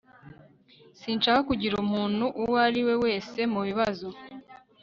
sinshaka kugira umuntu uwo ari we wese mu bibazo